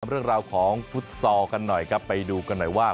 เรื่องราวของฟุตซอลกันหน่อยครับไปดูกันหน่อยว่า